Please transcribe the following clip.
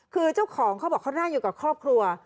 คือเจ้าของเขาบอกเขานั่งอยู่กับครอบครัว